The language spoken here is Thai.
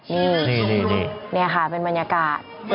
นี่ค่ะเป็นบรรยากาศ